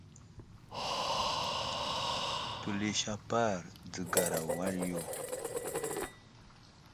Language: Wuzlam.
Pəlis apar dzəgar wal yo.